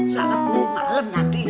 salam malem nanti ya